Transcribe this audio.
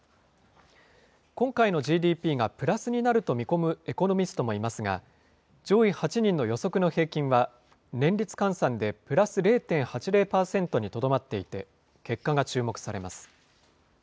今回のＧＤＰがプラスになると見込むエコノミストもいますが、上位８人の予測の平均は、年率換算でプラス０．８０％にとどまっていて、結果が注目されます。